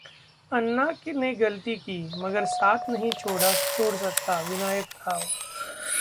अन्ना ने गलती की, मगर साथ नहीं छोड़ सकता:विनायक राव